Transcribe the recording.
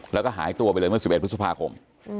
แล้วก็หายตัวไปเลยเมื่อ๑๑พฤษภาคม